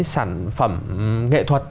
sản phẩm nghệ thuật